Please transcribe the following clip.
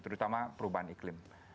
terutama perubahan iklim